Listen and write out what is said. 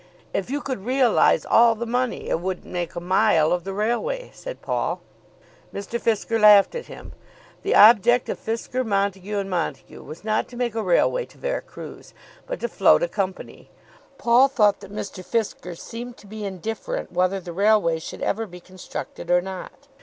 "If you could realise all the money it wouldn't make a mile of the railway," said Paul. Mr. Fisker laughed at him. The object of Fisker, Montague, and Montague was not to make a railway to Vera Cruz, but to float a company. Paul thought that Mr. Fisker seemed to be indifferent whether the railway should ever be constructed or not.